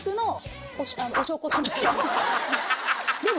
でも。